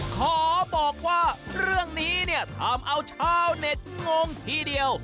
ขอบอกว่าเรื่องนี้เนี่ยทำเอาชาวเน็ตงงทีเดียว